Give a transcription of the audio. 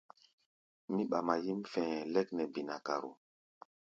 Mí ɓama yíʼm fɛ̧ɛ̧ lɛ́k nɛ binakaro.